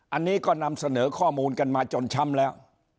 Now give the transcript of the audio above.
อันนี้ก็นำเสนอข้อมูลกันมาจนช้ำแล้ว